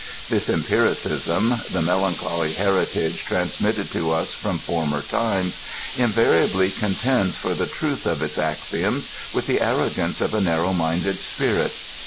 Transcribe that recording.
This empiricism, the melancholy heritage trans mitted to us from former times, invariably contends for the truth of its axioms with the arrogance of a narrow minded spirit.